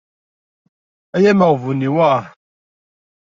Ay amaɣbun-iw ah.